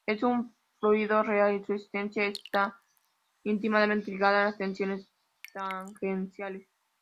En un fluido real su existencia está íntimamente ligada a las tensiones tangenciales.